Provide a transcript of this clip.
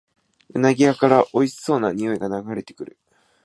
うなぎ屋からおいしそうなにおいが流れてくる